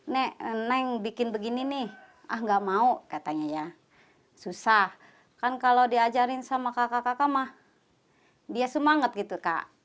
nek neng bikin begini nih ah gak mau katanya ya susah kan kalau diajarin sama kakak kakak mah dia semangat gitu kak